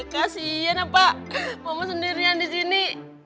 kasian pak mama sendirian di sini